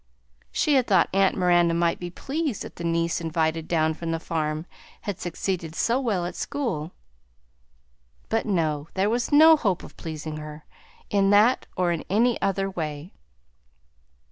She had thought aunt Miranda might be pleased that the niece invited down from the farm had succeeded so well at school; but no, there was no hope of pleasing her in that or in any other way.